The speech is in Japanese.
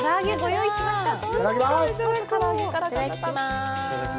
いただきます。